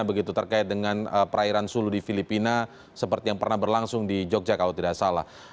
begitu terkait dengan perairan sulu di filipina seperti yang pernah berlangsung di jogja kalau tidak salah